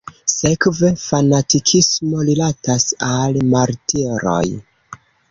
Sekve, fanatikismo rilatas al martiroj.